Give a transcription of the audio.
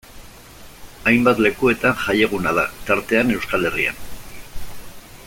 Hainbat lekuetan jaieguna da, tartean Euskal Herrian.